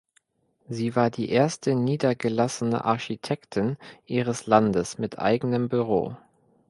Sie war die erste niedergelassene Architektin ihres Landes mit eigenem Büro.